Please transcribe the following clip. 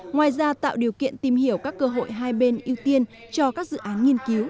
ngoài ra tạo điều kiện tìm hiểu các cơ hội hai bên ưu tiên cho các dự án nghiên cứu